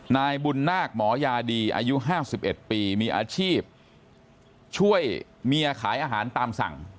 นายบุญนาคหมอยาดีอายุ๕๑ปีมีอาชีพช่วยเมียขายอาหารตามสั่ง